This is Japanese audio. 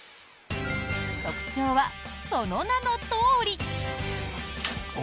特徴は、その名のとおり。